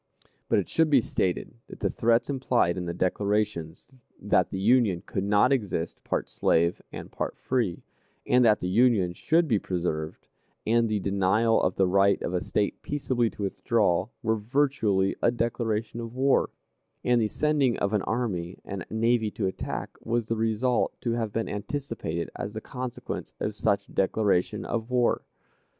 But it should be stated that the threats implied in the declarations that the Union could not exist part slave and part free, and that the Union should be preserved, and the denial of the right of a State peaceably to withdraw, were virtually a declaration of war, and the sending of an army and navy to attack was the result to have been anticipated as the consequence of such declaration of war.